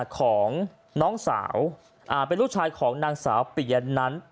ของน้องสาวเป็นลูกชายของนางสาวปียะนั้น